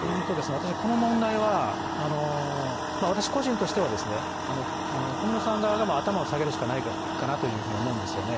私、この問題は、私個人としては小室さん側が頭を下げるしかないかなというふうに思うんですよね。